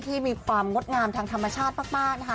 ที่มีความงดงามทางธรรมชาติมากนะคะ